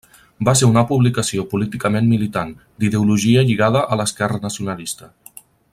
Va ser una publicació políticament militant, d'ideologia lligada a l'esquerra nacionalista.